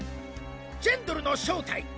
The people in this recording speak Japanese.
ジェンドルの正体